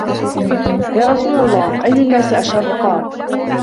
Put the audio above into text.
يَا رَسُولَ اللَّهِ أَيُّ النَّاسِ أَشَرُّ ؟ قَالَ